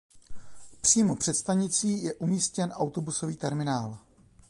Přímo před stanicí je umístěn autobusový terminál.